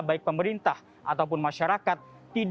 baik pemerintah ataupun masyarakat